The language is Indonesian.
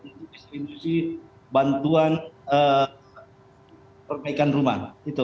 untuk distribusi bantuan perbaikan rumah